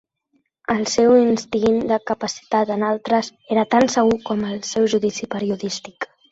El seu instint de capacitat en altres era tan segur com el seu judici periodístic.